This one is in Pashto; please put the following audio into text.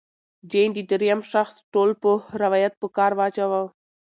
جین د درېیم شخص ټولپوه روایت په کار واچاوه.